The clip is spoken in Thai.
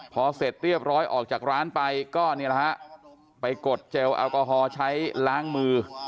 พอเสร็จเรียบร้อยออกจากร้านไปก็นี่แหละฮะไปกดเจลแอลกอฮอล์ใช้ล้างมือ